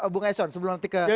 bung eson sebelum nanti ke